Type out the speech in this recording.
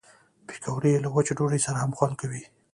پکورې له وچې ډوډۍ سره هم خوند کوي